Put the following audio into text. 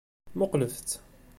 Muqlet-t!